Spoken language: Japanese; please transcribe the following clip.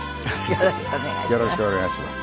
よろしくお願いします。